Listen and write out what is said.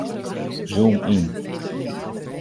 Zoom yn.